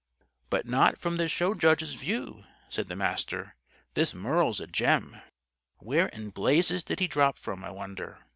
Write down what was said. "But not from the show judge's view," said the Master. "This Merle's a gem. Where in blazes did he drop from, I wonder?